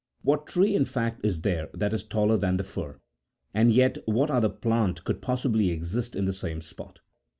What tree, in fact, is there that is taller than the fir ? and yet what other plant could possibly exist in the same spot